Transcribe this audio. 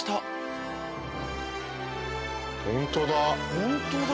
本当だ。